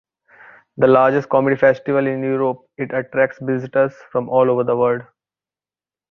The largest comedy festival in Europe, it attracts visitors from all over the world.